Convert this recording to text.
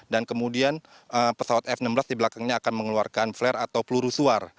dan kemudian pesawat f enam belas di belakangnya akan mengeluarkan flare atau peluru suar